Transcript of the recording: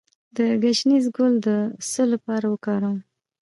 د ګشنیز ګل د څه لپاره وکاروم؟